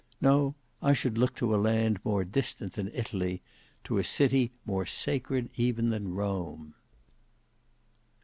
No, I should look to a land more distant than Italy, to a city more sacred even than Rome."